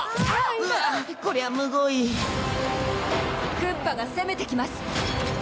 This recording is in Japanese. うわっこりゃむごいクッパが攻めてきます